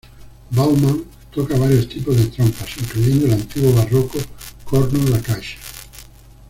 Baumann toca varios tipos de trompas, incluyendo el antiguo barroco "corno da caccia".